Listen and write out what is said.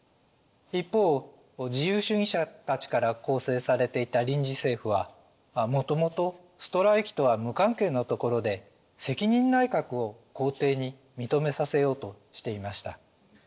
一方自由主義者たちから構成されていた臨時政府はもともとストライキとは無関係なところで責任内閣を皇帝に認めさせようとしていました。